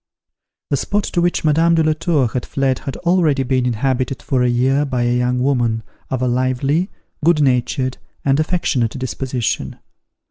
The spot to which Madame de la Tour had fled had already been inhabited for a year by a young woman of a lively, good natured and affectionate disposition.